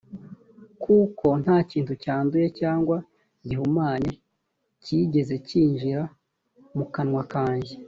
kuko nta kintu cyanduye cyangwa gihumanye cyigeze cyinjira mu kanwa kanjye